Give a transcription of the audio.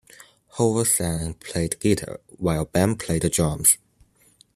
Howard sang and played guitar while Ben played the drums.